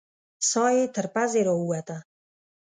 ساه یې تر پزې راووته.